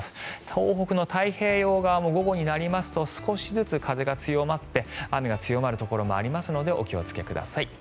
東北の太平洋側も午後になりますと少しずつ風が強まって雨が強まるところもありますのでお気をつけください。